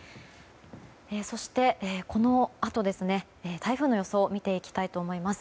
そして、このあと台風の予想を見ていきたいと思います。